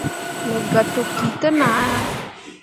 Megah tokki ten ah ya.